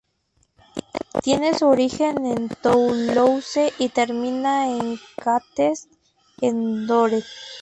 Tiene su origen en Toulouse y termina en Castets-en-Dorthe.